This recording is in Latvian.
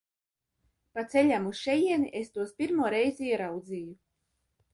Pa ceļam uz šejieni es tos pirmo reizi ieraudzīju.